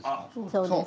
そうです。